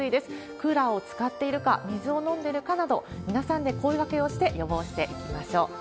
クーラーを使っているか、水を飲んでるかなど、皆さんで声がけをして予防していきましょう。